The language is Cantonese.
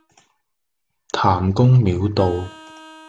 譚公廟道